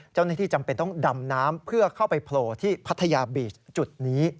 จำเป็นต้องดำน้ำเพื่อเข้าไปโผล่ที่พัทยาบีชจุดนี้